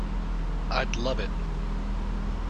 I'd love it.